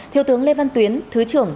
thiếu tướng lê văn tuyến thứ trưởng